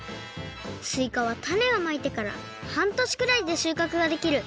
すいかはたねをまいてからはんとしくらいでしゅうかくができる。